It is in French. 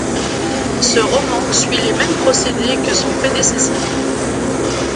Ce roman suit les mêmes procédés que son prédécesseur.